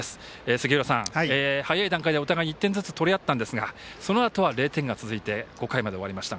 杉浦さん、早い段階でお互い１点ずつ取り合ったんですがそのあとは同点が続いて５回まで終わりました。